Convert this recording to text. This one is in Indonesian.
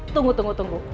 tunggu tunggu tunggu